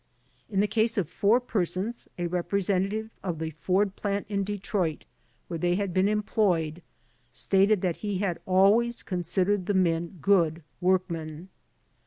In the case of four persons, a representative of the Ford plant in Detroit, where they had been employed, stated that he had always considered the men good workmen.